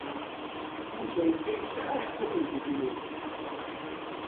Yuba yella yesɛa cwiṭ n tezrirt.